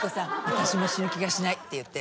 私も死ぬ気がしない」って言って。